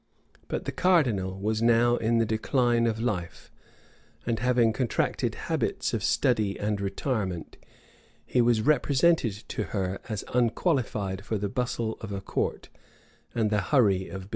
But the cardinal was now in the decline of life; and having contracted habits of study and retirement, he was represented to her as unqualified for the bustle of a court and the hurry of business.